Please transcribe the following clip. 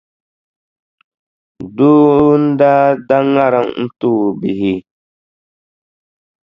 Doo n-daa da ŋariŋ n-ti o bihi.